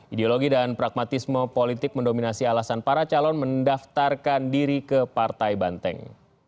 ideologi dan pragmatisme politik mendominasi alasan para calon mendaftarkan diri ke partai banteng